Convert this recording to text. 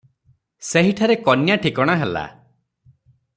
ସେହିଠାରେ କନ୍ୟା ଠିକଣା ହେଲା ।